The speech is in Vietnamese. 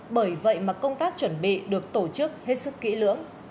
bởi vậy mà công tác chuẩn bị được tổ chức hết sức kỹ lưỡng